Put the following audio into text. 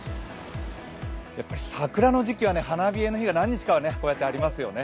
やはり桜の時期は花冷えの日が何日か、こうやってありますよね。